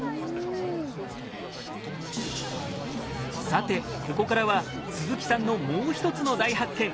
さてここからは鈴木さんのもう一つの大発見。